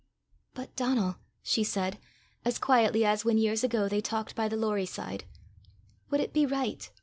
"But, Donal," she said, as quietly as when years ago they talked by the Lorrie side, "would it be right?